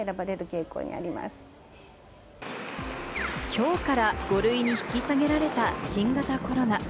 今日から５類に引き下げられた新型コロナ。